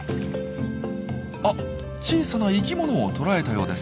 あ小さな生きものを捕らえたようです。